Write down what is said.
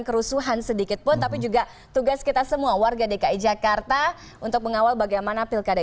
kerusuhan sedikit pun tapi juga tugas kita semua warga dki jakarta untuk mengawal bagaimana pilkada